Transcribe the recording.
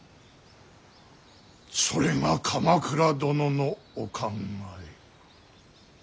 それが鎌倉殿のお考え。